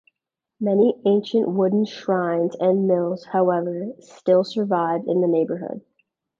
Many ancient wooden shrines and mills, however, still survive in the neighborhood.